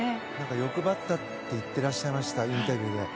欲張ったって言ってらっしゃいましたインタビューで。